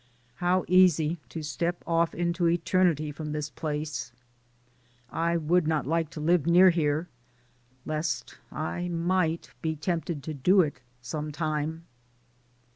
How easy to step off into eternity from this place. I would not like to live near here, lest I might be tempted to do it some time.